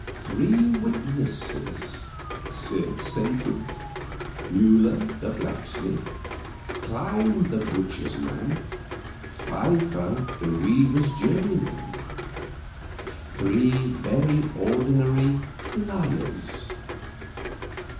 "Three witnesses," said Satan: "Mueller, the blacksmith; Klein, the butcher's man; Pfeiffer, the weaver's journeyman. Three very ordinary liars.